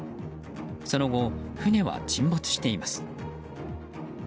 その後、船は沈没しています。